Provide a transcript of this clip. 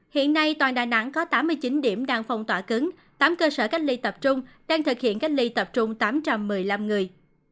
hiện nay toàn đà nẵng có tám mươi chín điểm đang phong tỏa cứng tám cơ sở cách ly tập trung đang thực hiện cách ly tập trung tám trăm một mươi năm người